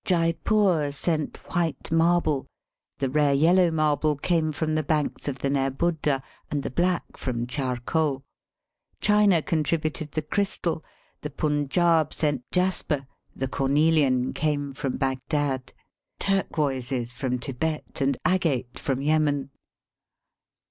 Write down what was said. Jeypor sent white marble. The rare yellow marble came from the banks of the Nerbudda, and the black from Charkoh. China contributed the crystal; the Punjaub sent jasper, the corneUan came from Bagdad ; turquoises from Thibet, and agate from Ye man.